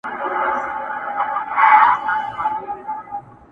“ما چي د زاهد کیسه کول تاسي به نه منل٫